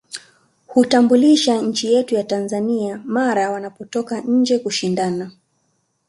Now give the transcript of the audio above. Hitambulisha nchi yetu ya Tanzania mara wanapotoka nje kushindana